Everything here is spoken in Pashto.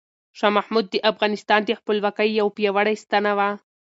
شاه محمود د افغانستان د خپلواکۍ یو پیاوړی ستنه وه.